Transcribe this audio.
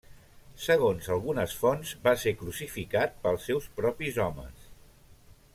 Segons algunes fonts, va ser crucificat pels seus propis homes.